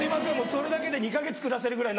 それだけで２か月暮らせるぐらいになる。